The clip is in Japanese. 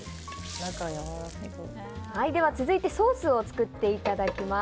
続いてソースを作っていただきます。